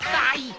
はい。